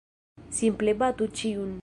Simple batu ĉiun!